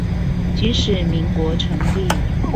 即使民國成立